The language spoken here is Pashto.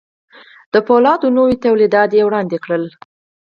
د پولادو نوي توليدات يې وړاندې کړل.